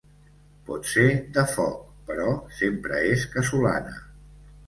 Pot ser de foc, però sempre és casolana.